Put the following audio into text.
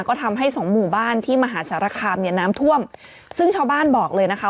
ก็ทำให้สองหมู่บ้านที่มหาสารคามเนี่ยน้ำท่วมซึ่งชาวบ้านบอกเลยนะคะ